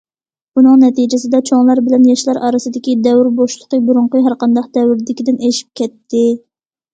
بۇنىڭ نەتىجىسىدە چوڭلار بىلەن ياشلار ئارىسىدىكى دەۋر بوشلۇقى بۇرۇنقى ھەرقانداق دەۋردىكىدىن ئېشىپ كەتتى.